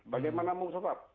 bagaimana mau mengecepat